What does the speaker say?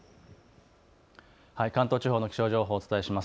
関東地方の気象情報お伝えします。